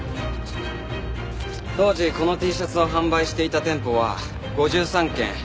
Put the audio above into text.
当時このＴシャツを販売していた店舗は５３軒。